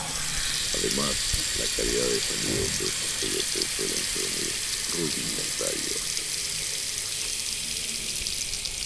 Además, la calidad del sonido de estos juguetes suele ser muy rudimentario.